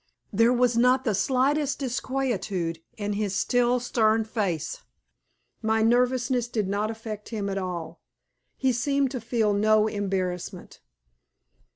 There was not the slightest disquietude in his still, stern face. My nervousness did not affect him at all. He seemed to feel no embarrassment.